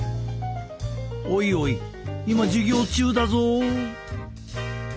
おいおい今授業中だぞ。